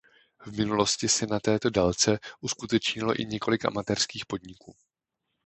V minulosti se na této délce uskutečnilo i několik amatérských podniků.